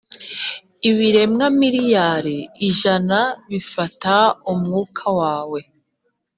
ibiremwa miliyari ijana bifata umwuka wawe